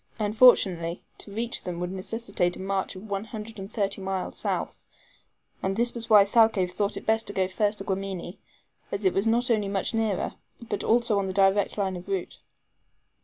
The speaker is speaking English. Unfortunately, to reach them would necessitate a march of one hundred and thirty miles south; and this was why Thalcave thought it best to go first to Guamini, as it was not only much nearer, but also on the direct line of route.